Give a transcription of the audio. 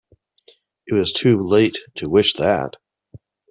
It was too late to wish that!